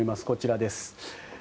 こちらです。